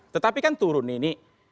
tetapi kan turun ini